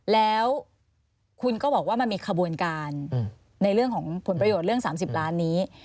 แล้วคุณก็บอกว่ามันมีขบวนการในเรื่องของผลประโยชน์เรื่อง๓๐ล้านนี้